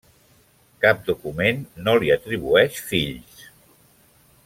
Cap document no li atribueix fills.